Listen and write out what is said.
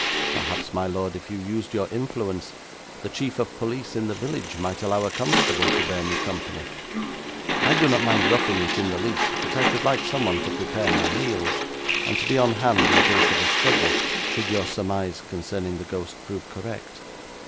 'Perhaps, my lord, if you used your influence, the chief of police in the village might allow a constable to bear me company. I do not mind roughing it in the least, but I should like someone to prepare my meals, and to be on hand in case of a struggle, should your surmise concerning the ghost prove correct.'